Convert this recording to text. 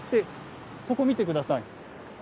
ここ見てください。